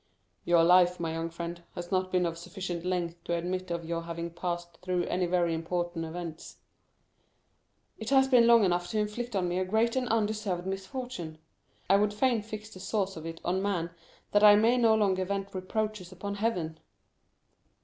"Your life, my young friend, has not been of sufficient length to admit of your having passed through any very important events." "It has been long enough to inflict on me a great and undeserved misfortune. I would fain fix the source of it on man that I may no longer vent reproaches upon Heaven."